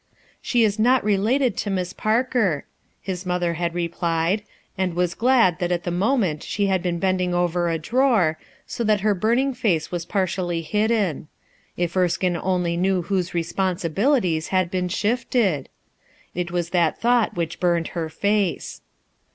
"She is not related to Miss Parker," his mother had replied, and was glad that at the moment she had been bending over a drawer, so that her burning face was partially hidden. If Erskine only knew whose responsibilities had been shifted I It was that thought which burned her face.